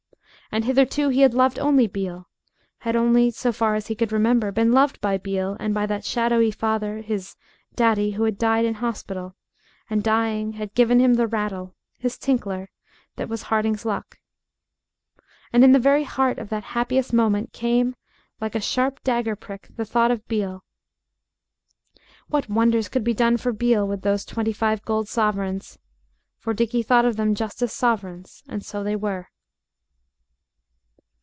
And hitherto he had loved only Beale; had only, so far as he could remember, been loved by Beale and by that shadowy father, his "Daddy," who had died in hospital, and dying, had given him the rattle, his Tinkler, that was Harding's Luck. And in the very heart of that happiest moment came, like a sharp dagger prick, the thought of Beale. What wonders could be done for Beale with those twenty five gold sovereigns? For Dickie thought of them just as sovereigns and so they were.